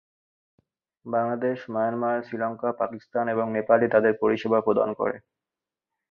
Bangladesh, Myanmar, Sri Lanka, Pakistan এবং নেপালে তাদের পরিষেবা প্রদান করে।